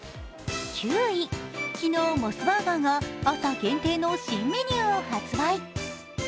９位、昨日、モスバーガーが朝限定の新メニューを発売。